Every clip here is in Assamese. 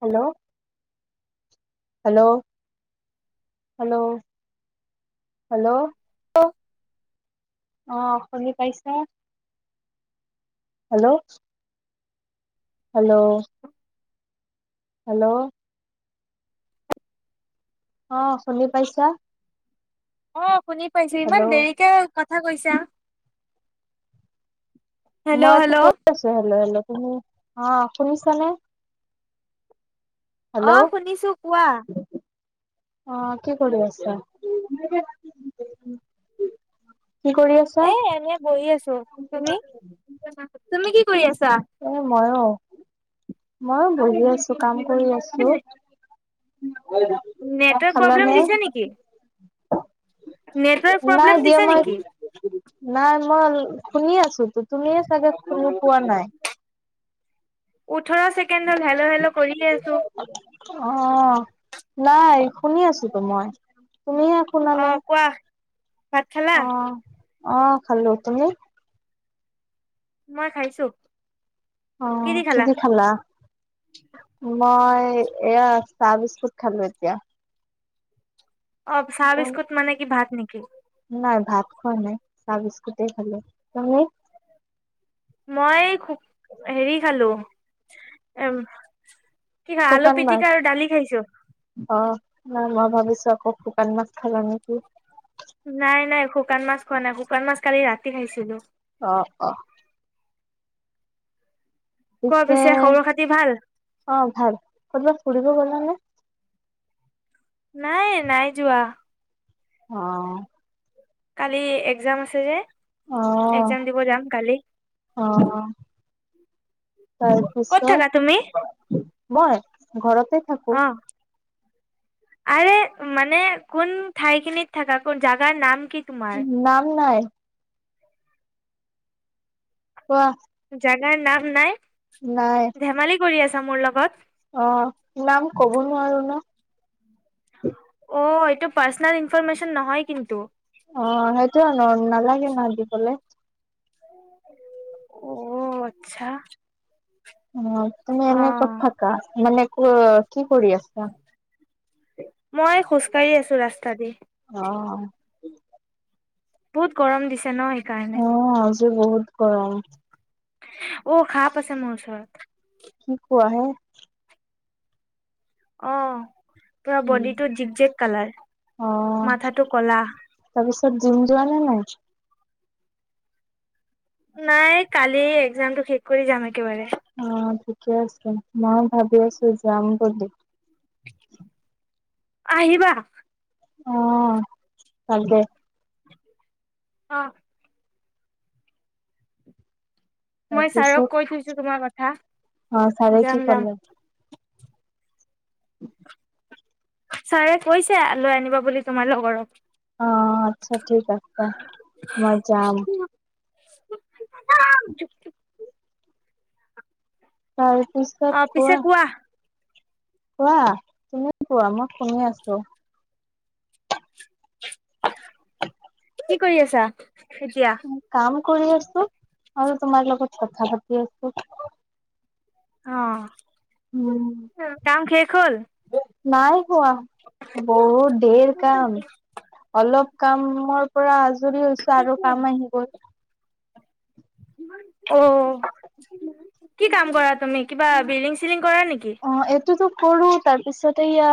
হেল্ল হেল্ল' হেল্ল' হেল্ল' অ আহ শুনি পাইছা হেল্ল' হেল্ল' হেল্ল' অ শুনি পাইছা অ শুনি পাইছো ইমান হেল্ল' দেৰিকে কথা কৈছা হেল্ল' মইটো হেল্ল' কই আছো হেল্ল হেল্ল অ শুনিছানে অ শুনিছো কোৱা আহ কি কৰি আছা কি কৰি আছা এ এনেই বহি আছো তুমি তুমি কি কৰি আছা এ মইয়ো মইয়ো বহি আছো কাম কৰি আছো, উম, নেটৱৰ্ক প্ৰব্লেম দিছে নেকি? অ নেটৱৰ্ক [unintelligible] নাই প্ৰব্লেম দিয়া দিছে মই নেকি নাই। মই শুনি আছো। ত তুমি চাগে পোৱা নাই। উঠৰ চেক [unintelligible] কে হেলো-হেলো কৰিয়ে আছো। অ' নাই শুনি আছো তো মই। তুমিহে শুনা অ নাই, কোৱা ভাত খালা? অ অ', খালো তুমি? মই খাইছোঁ। অ' কিদি খালা? মই এয়া চাহ বিস্কুট খালো এতিয়া। অ' চাহ বিস্কুট মানে কি ভাত নেকি? [unintelligible] নাই ভাত খোৱা নাই চাহ বিস্কুট খালো। তুমি মই খু হেৰি খালো। এ কি খা আলু শুকান মাছ পিটিকা আৰু দালি খাইছো। অ নাই, মই ভাবিছো আকৌ শুকান মাছ খালা নেকি? নাই-নাই শুকান মাছ খোৱা নাই, শুকান মাছ কালি ৰাতি খাইছিলোঁ। অ-অ, কোৱা পিছে খবৰ খাতি ভাল? অ' ভাল ক'বাত ফুৰিব গল নে? নাই-নাই যোৱা। অ', কালি এক্সাম আছে যে? অ এক্সাম দিব যাম কালি। তাৰ ক'ত থাকা তুমি? পিছত মই ঘৰত থাকো। অ', আৰে মানে কোন ঠাইখিনিত থাকা কোন জাগাৰ নাম কি তোমাৰ? নাম নাই কোৱা জাগাৰ নাম নাই নাই কি কৰি আছা মোৰ লগত অ নাম কব নোৱাৰো ন অ এইটো পাৰ্চনেল ইনফৰমেশ্যন নহয় কিন্তু অ সেইটো ন নালাগে ন দিবলে অ আচ্ছা উ তুমি এনে ক'ত অ', থাকা মানে ক কি কৰি আছা মই খোজকাঢ়ি আছো ৰাস্তা দি আহ বহুত গৰম দিছে ন কাৰণে যে বহুত গৰম অ সাপ আছে মোৰ ওচৰত কি কোৱা হে অ পুৰা উম। বডিটো জিক জেগ কালাৰ অ মাথাটো কলাহ তাৰপিছত জিম যোৱা নে নাই নাই কালি একজাম টো শেষ কৰি যাম একেবাৰে অ ঠিকে আছে ময়ো ভাবি আছো যাম বুলি আহিবা অ কালকে অঁ মই ছাৰক তাৰপিছত কৈ থৈছো তোমাৰ কথা অ ছাৰে কি যাম যাম উম ছাৰে কৈছে লৈ আনিবা বুলি তোমাৰ লগৰক অ আচ্ছা ঠিক আছে মই যাম অ অ তাৰপিছত পিছে কোৱা কোৱা তুমি কোৱা মই শুনি আছো উ [unintelligible] কি কৰি আছা এতিয়া কাম কৰি আছো আৰু তোমাৰ লগত কথা পাতি আছো অঁ উম কাম শেষ হল নাই বহুত ধেৰ কাম অলপ কামৰ পৰা হৈছো আৰু কাম আহি গল অঁ কি কাম কৰা তুমি কিবা বিল্ডিং চিল্ডিং অঁ এইটোতো কৰো তাৰ পিছতে এয়া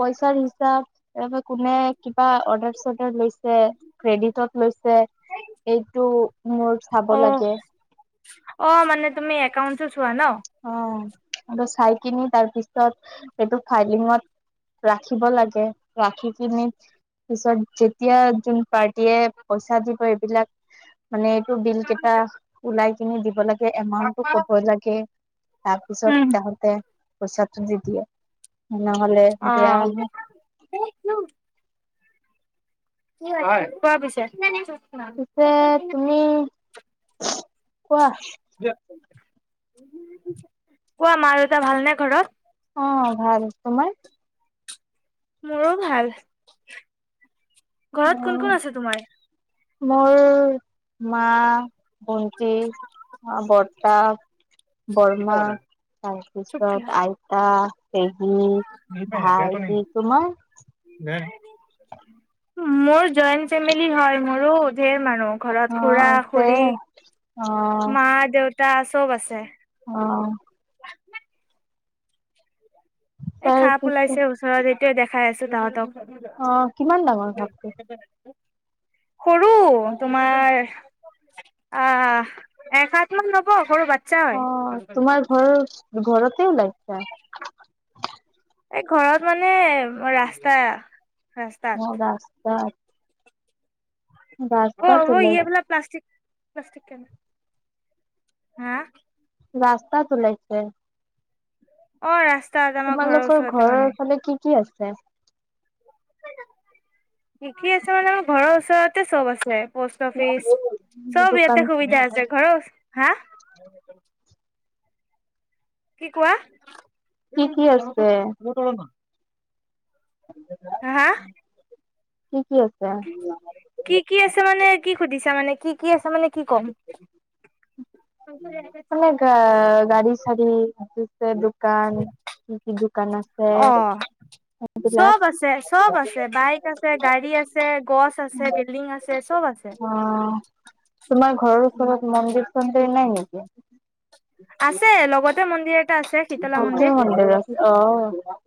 পইচাৰ হিচাপ ত কোনে অৰ্ডাৰ চৰ্ডাৰ লৈছে ক্ৰেডিটত লৈছে এইটো মোৰ চাব লাগে অঁ মানে তুমি একাউণ্টতোত অঁ এইটো চাই কিনি তাৰ পিছত এইটো ফাইলিঙত ৰাখিব লাগে। ৰাখি কিনি পিছত যেতিয়া যোন পাৰ্টে পইচা দিব এইবিলাক মানে এইটো বিল কেইটা ওলাই কিনি দিব লাগে এমাউনট তো ক'ব লাগে তাৰপিছত তাহতে পইচাটো দি দিয়ে নহলে অ বেয়া নহ কোৱা পিছে পিছে তুমি [unintelligible] কোৱা কোৱা মা দেউতা ভালনে ঘৰত অঁ ভাল তোমাৰ মোৰো ভাল ঘৰত কোন উম কোন আছে তোমাৰ মোৰ মা ভন্তি টি বৰ্তটা বৰমা তাৰপিছত আইতা, পেহী, ভাইতি তোমাৰ মোৰ জইন ফেমিলী হয় মোৰো ধেৰ মানুহ ঘৰত অ খুৰা, আছে খুুৰী, অ মা দেউতা আছে। চব আছে। অ', এ ', তাৰ সাপ ওলাইছে ওচৰতে তেও দেখাই আছো তাহাঁতক আহ', কিমান ডাঙৰ সাপটো? সৰু তোমাৰ আহ', এক সাত মান ল'ব সৰু বা চ্ছা হয়। ঘৰততে ও লাইছ। এই ঘৰত মানে ৰাস্তা ৰাস্তাত অ ', ৰাস্তাত। ৰাস্তাত অ', ওলাই ইবল প্লাষ্টিক নষ্টিকান হা ', ৰাস্তা উওলাইছে। অ', ৰাস্তা তোমালোকৰ ঘৰৰ ফালে কি -কি আছে? চে কি- কি আছে মানে আমাৰ ঘৰৰ ওচৰতে চব আছে। পোষ্ট অফিচ সব দোকান এতে সুবিধা আছে ঘৰৰ হা', কি কোৱা? কি এইজন কি টোৰত আছে লতৰমা [unintelligible] হ', - হা', কি কি আছে কি -কি আছে মানে কি সুধিছা মানে কি? কি আছে মানে কি ক'ম। মানে গ', গাড়ী চাৰি দিছে দোকান কি -কি দোকান আছে অ'। সেইবিলাক। চব আছে চব আছে বাইক আছে গাড়ী আছে গছ আছে বিল্ডিং আছে চব আছে। অ', তোমাৰ ঘৰৰ ওচৰত মন্দিৰ চন্দিৰ নাই? কি আছে লগতে মন্দিৰ এটা আছে শীতলা শক্তিৰ মন্দিৰ আছে, অ',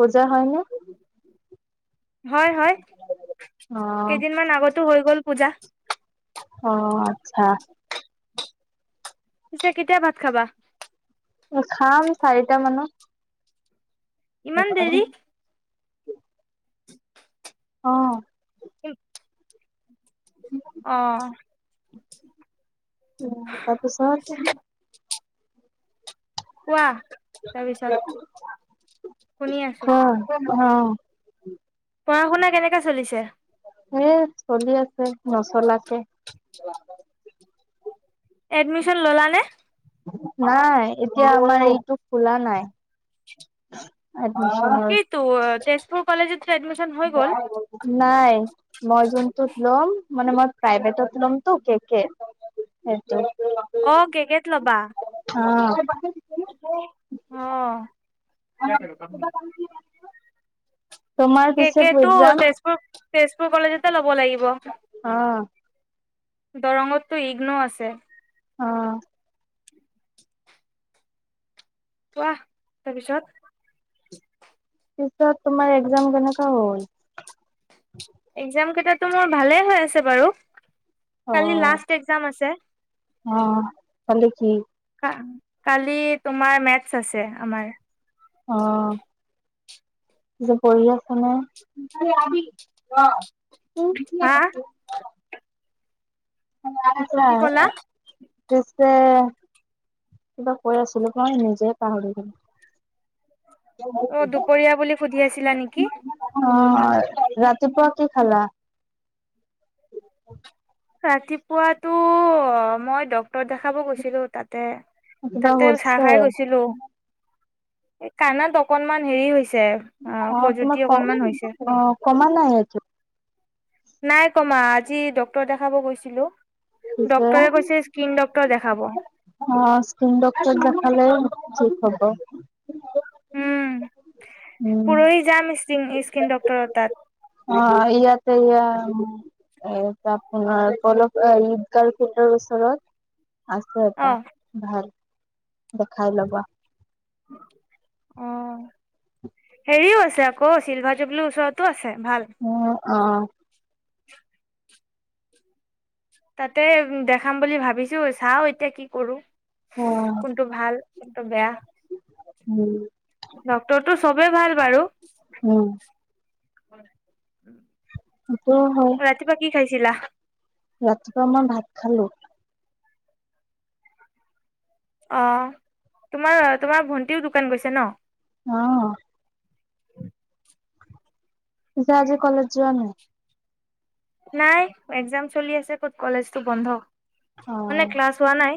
পুজা হয় নে? হয় -হয় অ কেইদিনমান আগতো হৈ হ'ল পূজা আহ আচ্ছা পিছে কেতিয়া ভাত খাবা খাম চাৰিটা মানত ইমান দেৰি অহ অ' পিছে তাৰপিছত কোৱা তাৰপিছত অ শুনি আছো অ উম পঢ়া শুনা কেনেকা চলিছে এ চলি আছে নচলাকে এডমিশন ল'লা নে নাই এতিয়া আমাৰ এইটো খোলা নাই এডমিচনৰ কিটো অ চেচ তোৰ কলেজত এডমিছন হৈ গ'ল নাই মই যোনটোত ল'ম মানে মই প্ৰাইভেটত ল'মতো কে কে সেয়াতে অ' কে কেত ল'বা অ অ কিয় কৰো তোমাৰ পিছে একজাম তেজপুৰ তেজপুৰ কলেজতে লব লাগিব অ দৰঙততো ইগ্ন আছে অহ কোৱা তাৰপিছত তাৰপিছত তোমাৰ একজাম কেনেকুৱা হ'ল একজাম কেইটাটো মোৰ ভালে হৈ আছে বাৰু অ কালি লাষ্ট একজাম আছে অ কালি কি কা কালি তোমাৰ মেথছ আছে আমাৰ অ এতিয়া পঢ়ি আছা নে হা [unintelligible] কি ক'লা ছে কিবা কৈ আছিলো মই নিজে পাহৰি গলো অ দুপৰীয়া বুলি সুধি আছিলা নেকি অ' ৰাতিপুৱা কি খালা ৰাতিপুৱাতো মই দক ডক্টৰ দেখাব গৈছিলো তাতে কিবা তাতে চাহ হৈছে খাই গৈছিলো এ কানত অকনমান হেৰি হৈছে অ খজুতি তোমাৰ অকনমান হৈছে কমা, কমা নাই এইটো নাই কমা আজি ডক্ট দেখাব গৈছিলো পিছে ডক্তৰে কৈছে স্কিন ডক্তৰ দেখাব। অ স্কিন ডক্টৰ দেখালে হ'ব উম উম। পুৰহি যাম স্কিন ডক্টৰ তাত অ ইয়াতে ই এ তাৰপোনাৰ পল ঈদগাল পোনৰৰ ওছৰত আছে এটা অ', ভাল দেখাই লবা অ হেৰিও আছে আকৌ চিলভাৰ জুবলিৰ ওচৰতো আছে অ অ অ তাতে দেখাম বুলি ভাবিছো চাও এতিয়া কি কৰো কোনটো ভাল কোনটো বেয়া উম, ডক্টৰটো চবেই ভাল বাৰু উম, হয় সেইটো হয় কি খাইছিলা ৰাতিপুৱা মই ভাত খালো। অ তোমাৰ তোমাৰ ভন্টিও দোকান গৈছে ন। অ পিছে আজি কলেজ যোৱা নাই। নাই একজাম চলি আছে ক'ত কলেজটো বন্ধ অ মানে ক্লাছ হোৱা নাই।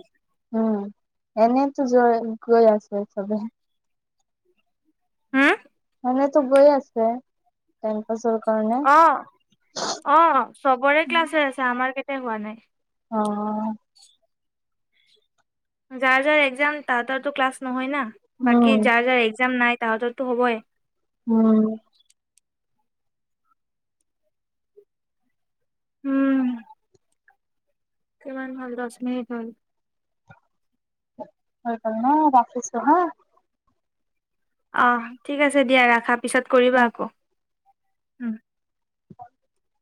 উম এনেইতো গৈ আছে চবে হুম, এনেই টো গৈ আছে টেন পাছ অৰ অ অ চবৰে ক্লাছ হৈ আছে আমাৰ হোৱা নাই অ যাৰ যাৰ একজাম তাহতৰ তো ক্লাছ নহয় ন বাকি উম যাৰ যাৰ এক্সাম নাই তাহাঁততো হ'বই উম উম কিমান ভাল ৰছ্ম স ভাল হৈ গল ন ৰাখিছো হা অ ঠিক আছে দিয়া ৰাখা পিছত অ কৰিবা আকৌ উম হয়